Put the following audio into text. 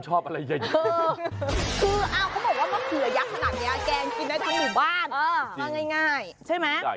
ใช่ไหม